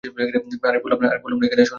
আরে, বলরাম এখানে আসো, না, না, না।